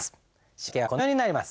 仕訳はこのようになります。